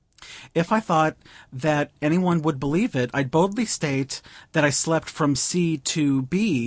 If I thought that any one would believe it, I'd boldly state that I slept from C. to B.